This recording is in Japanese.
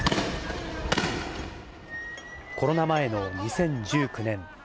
コロナ前の２０１９年。